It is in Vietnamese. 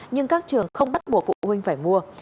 nhưng các trường không bắt buộc phụ huynh phải mua